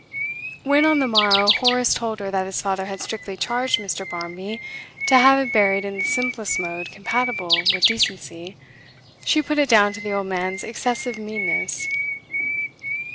When, on the morrow, Horace told her that his father had strictly charged Mr Barmby to have him buried in the simplest mode compatible with decency, she put it down to the old man's excessive meanness.